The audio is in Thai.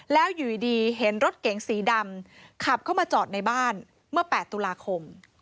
แล้วอยู่ดีเห็นรถเก๋งสีดำขับเข้ามาจอดในบ้านเมื่อ๘ตุลาคม